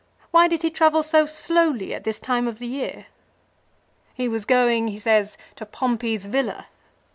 Why did he travel so slowly at this time of the year? He was going, he says, to Pompey's villa.